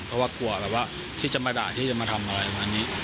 เพราะว่ากลัวแบบว่าที่จะมาด่าที่จะมาทำอะไรทางนี้